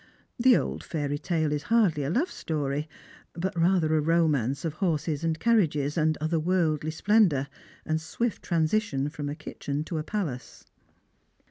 The old fairy tale is hardly a love story, but rather a romance of horses and carriages, and other worldly splendour, and swift transition from a kitchen to a palace.